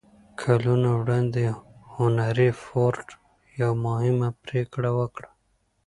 کلونه وړاندې هنري فورډ يوه مهمه پرېکړه وکړه.